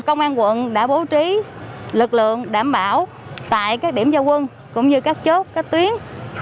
công an quận đã bố trí lực lượng đảm bảo tại các điểm giao quân cũng như các chốt các tuyến